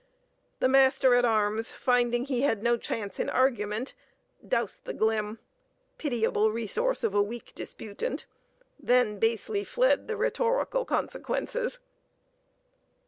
The master at arms, finding he had no chance in argument, doused the glim—pitiable resource of a weak disputant—then basely fled the rhetorical consequences.